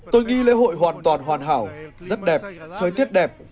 tôi nghĩ lễ hội hoàn toàn hoàn hảo rất đẹp thời tiết đẹp